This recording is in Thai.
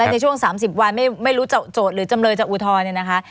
ในช่วง๓๐วันไม่รู้จะโจทย์หรือจำเลยจะอุทธรณ์เนี่ยนะคะ